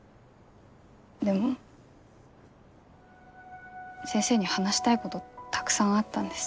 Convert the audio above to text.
でも先生に話したいことたくさんあったんです。